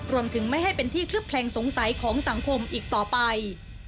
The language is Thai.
รวมถึงไม่ให้เป็นที่เคลือบแคลงสงสัยของสังคมอีกต่อไป